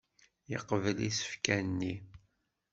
Yeqbel isefka-nni.